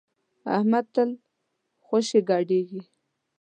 احمد تل خوشی ګډېږي.